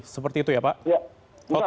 seperti itu ya pak